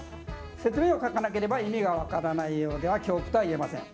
説明を書かなければ意味が分からないようでは狂句とは言えません。